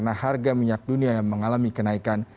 agar minyak dunia yang mengalami kenaikan